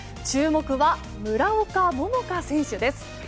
注目は、村岡桃佳選手です。